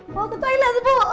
bawa ke toilet bu